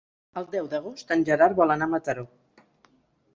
El deu d'agost en Gerard vol anar a Mataró.